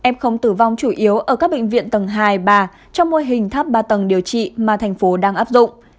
em không tử vong chủ yếu ở các bệnh viện tầng hai ba trong mô hình tháp ba tầng điều trị mà thành phố đang áp dụng